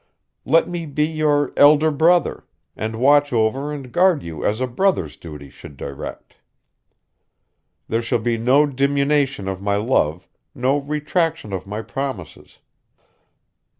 Let me be your elder brother, and watch over and guard you as a brother's duty should direct. There shall be no diminution of my love, no retraction of my promises.